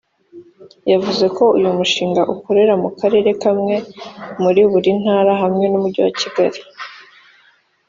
yavuze ko uyu mushinga ukorera mu Karere kamwe muri buri Ntara hamwe n’umujyi wa Kigali